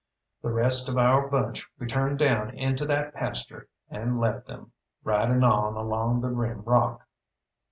The rest of our bunch we turned down into that pasture, and left them, riding on along the rim rock.